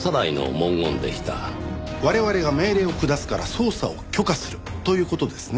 我々が命令を下すから捜査を許可するという事ですね。